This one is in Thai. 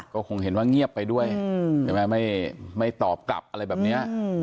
ก็คงเห็นว่าเงียบไปด้วยใช่ไหมไม่ตอบกลับอะไรแบบนี้